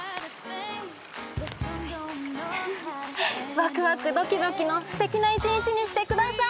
わくわくドキドキのすてきな一日にしてください。